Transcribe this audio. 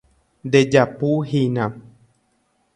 Ndejapuhína.